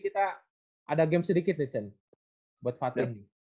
kita ada game sedikit nih cen buat fatih